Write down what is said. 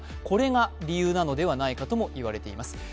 これが理由なのではないかとも言われています。